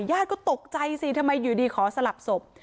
ญาติก็ตกใจสิทำไมอยู่ดีขอสลับศพ